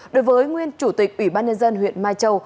đối với nguyên chủ tịch ủy ban nhân dân huyện mai châu